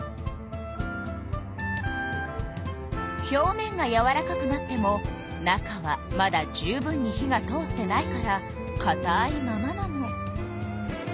表面がやわらかくなっても中はまだ十分に火が通ってないからかたいままなの。